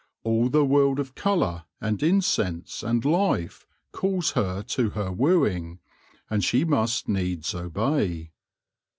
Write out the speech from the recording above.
All the world of colour and incense and life calls her to her wooing, and she must needs obey.